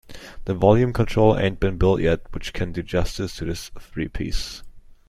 The volume control ain't been built yet which can do justice to this three-piece!